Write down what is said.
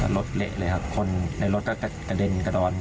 เละเลยครับคนในรถก็กระเด็นกระดอน